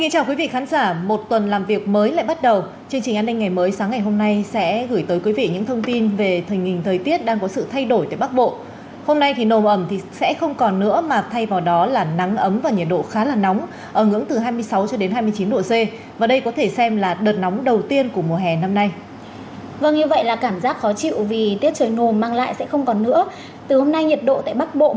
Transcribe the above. hãy đăng ký kênh để ủng hộ kênh của chúng mình nhé